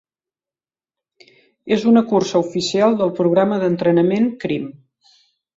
És una cursa oficial del programa d'entrenament Crim.